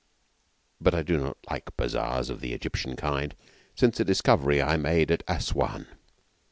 But I do not like bazaars of the Egyptian kind, since a discovery I made at Assouan.